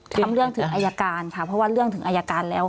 ทำเรื่องถึงอายการค่ะเพราะว่าเรื่องถึงอายการแล้ว